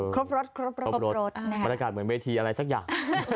ครบรถบรรยากาศเหมือนเมธีอะไรสักอย่าง